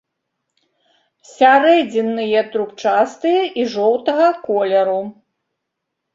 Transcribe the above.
Сярэдзінныя трубчастыя і жоўтага колеру.